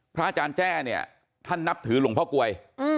อาจารย์แจ้เนี่ยท่านนับถือหลวงพ่อกลวย